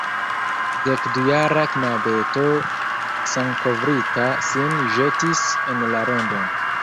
Dekdujara knabeto sangkovrita sin ĵetis en la rondon.